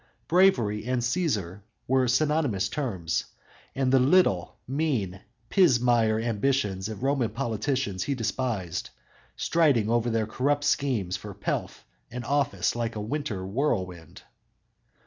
Bravery and Cæsar were synonymous terms, and the little, mean, pismire ambitions of Roman politicians he despised, striding over their corrupt schemes for pelf and office like a winter whirlwind.